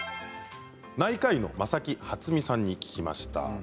内科医の正木初美さんに聞きました。